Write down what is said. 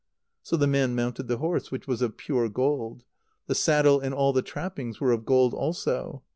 So the man mounted the horse, which was of pure gold. The saddle and all the trappings were of gold also.